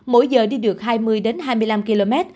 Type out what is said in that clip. mỗi giờ đi được hai mươi hai mươi năm km